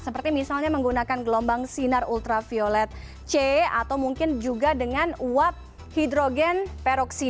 seperti misalnya menggunakan gelombang sinar ultraviolet c atau mungkin juga dengan uap hidrogen peroksi